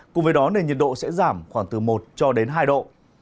cùng với đó nền nhiệt độ sẽ giảm khoảng từ một hai độ